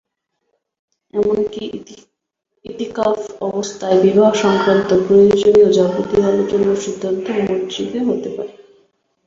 এমনকি ইতিকাফ অবস্থায় বিবাহসংক্রান্ত প্রয়োজনীয় যাবতীয় আলোচনা ও সিদ্ধান্ত মসজিদে হতে পারে।